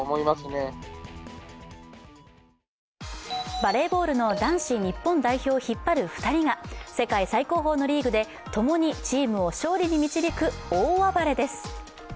バレーボールの男子日本代表を引っ張る２人が世界最高峰のリーグで共にチームを勝利に導く大暴れです。